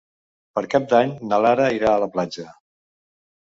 Per Cap d'Any na Lara irà a la platja.